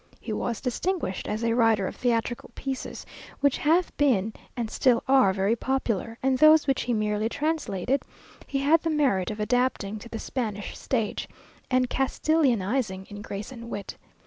He was distinguished as a writer of theatrical pieces, which have been and still are very popular; and those which he merely translated, he had the merit of adapting to the Spanish stage, and Castilianizing in grace and wit.